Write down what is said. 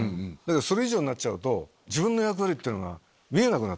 それ以上になっちゃうと自分の役割ってのが見えなくなる。